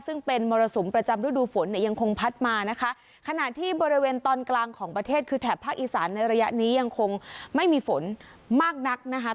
ซึ่งเป็นมรสุมประจำฤดูฝนเนี่ยยังคงพัดมานะคะขณะที่บริเวณตอนกลางของประเทศคือแถบภาคอีสานในระยะนี้ยังคงไม่มีฝนมากนักนะคะ